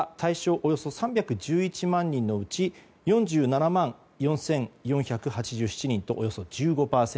およそ３１１万人のうち４７万４４８７人とおよそ１５％。